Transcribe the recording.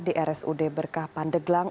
di rsud berkah pandeglang